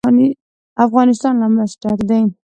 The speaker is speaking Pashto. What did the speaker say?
افغانستان له مس ډک دی.